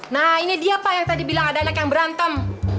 nah ini dia pak yang tadi bilang ada anak yang berantem